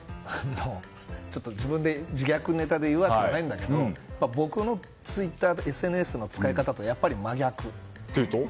自分で自虐ネタで言うわけじゃないんだけど僕のツイッターＳＮＳの使い方とはというと？